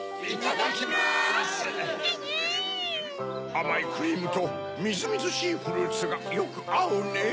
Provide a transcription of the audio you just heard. あまいクリームとみずみずしいフルーツがよくあうねぇ。